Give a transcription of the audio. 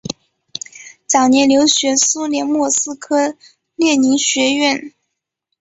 早年留学苏联莫斯科列宁学院。